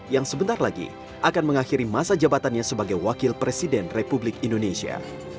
yang sebentar lagi akan mengakhiri masa jabatannya sebagai wakil presiden republik indonesia